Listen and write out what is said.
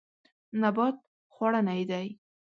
نبات خوړنی دی.